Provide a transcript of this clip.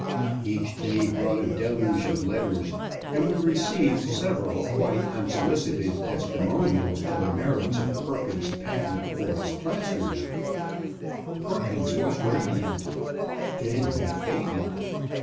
Each day brought a deluge of letters, and we received several quite unsolicited testimonials to the merits of Perkins's Patent Porous Plaster. Perkins was radiant. Then he faded.